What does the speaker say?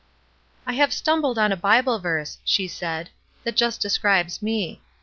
"I have stumbled on a Bible verse," she said, ''that just describes me.